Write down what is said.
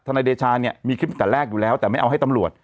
ในชาเนี่ยมีคลิปกันแดกอยู่แล้วแต่ไม่เอาให้ตำรัวด